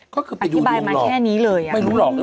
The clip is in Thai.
ก็คือไปดูดวงอธิบายมาแค่นี้เลยไม่รู้หรอก